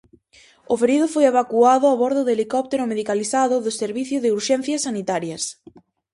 O ferido foi evacuado a bordo do helicóptero medicalizado do servizo de Urxencias Sanitarias.